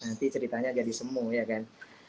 nanti ceritanya jadi semu ya kan